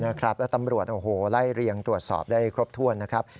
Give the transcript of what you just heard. นะครับแล้วตำรวจไล่เรียงตรวจสอบได้ครบถ้วนนะครับ